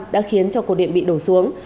đã khiến cho cột điện bị đổ xuống